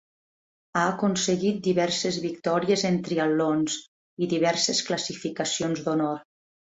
Ha aconseguit diverses victòries en triatlons i diverses classificacions d'honor.